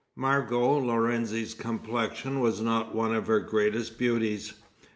Margot Lorenzi's complexion was not one of her greatest beauties.